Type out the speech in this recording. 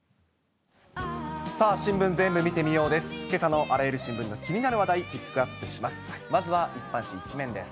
さあ、新聞ぜーんぶ見てみよう！です。